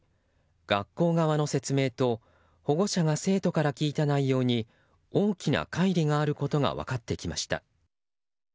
学校側の説明と保護者が生徒から聞いた内容に大きな乖離があることが分かってきました。